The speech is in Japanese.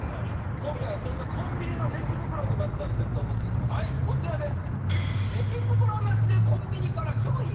今回はそんなコンビニのレジ袋にまつわる説を持ってきましたこちらです